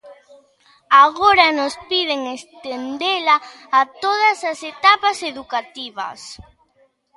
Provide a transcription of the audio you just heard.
Agora nos piden estendela a todas as etapas educativas.